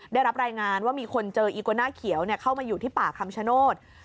ได้รับรายงานว่ามีคนเจออีโกน่าเขียวเข้ามาอยู่ที่ป่าคำชโนธ